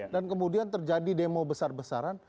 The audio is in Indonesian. dan kemudian terjadi demo besar besaran